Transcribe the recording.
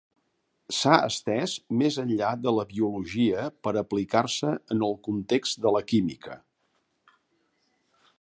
S'ha estès més enllà de la biologia per aplicar-se en el context de la química.